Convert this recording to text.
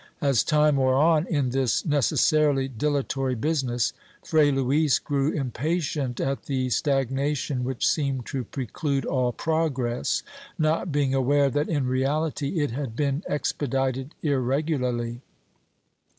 As time wore on in this necessarily dilatory business. Fray Luis grew impatient at the stagnation which seemed to pre clude all progress, not being aware that in reality it had been expedited irregularly.